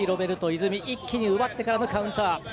泉一気に奪ってからのカウンター。